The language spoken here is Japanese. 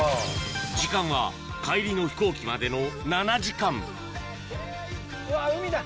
時間は帰りの飛行機までの７時間うわ海だ！